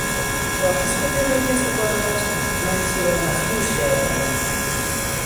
با حذف تعدادی از عبارات، متن را مخدوش کردهاند.